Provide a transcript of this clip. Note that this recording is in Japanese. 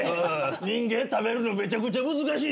人間食べるのめちゃくちゃ難しい。